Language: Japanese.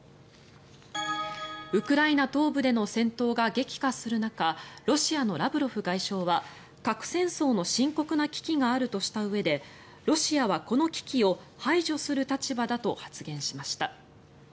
ウクライナ東部での戦闘が激化する中ロシアのラブロフ外相は核戦争の深刻な危機があるとしたうえでロシアはこの危機を排除する立場だと発言しました。